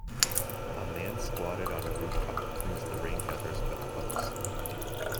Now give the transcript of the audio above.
A man squatted on a rooftop cleans the rain gutters with a hose.